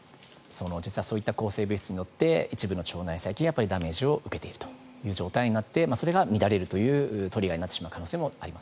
実はそういった抗生物質によって一部の腸内細菌はやっぱりダメージを受けているという状態になってそれが乱れるというトリガーになってしまう可能性もあります。